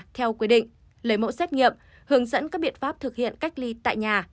theo quy định lấy mẫu xét nghiệm hướng dẫn các biện pháp thực hiện cách ly tại nhà